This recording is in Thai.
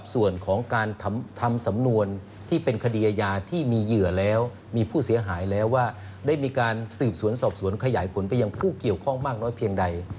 ส่วนของการทำสำนวนที่เป็นคดีอาญาที่มีเหยื่อแล้วมีผู้เสียหายแล้วว่าได้มีการสืบสวนสอบสวนขยายผลไปยังผู้เกี่ยวข้องมากน้อยเพียงใด